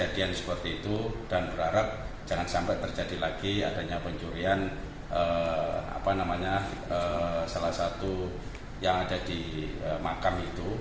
dan berharap jangan sampai terjadi lagi adanya pencurian salah satu yang ada di makam itu